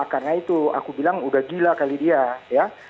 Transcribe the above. karena itu aku bilang udah gila kali dia ya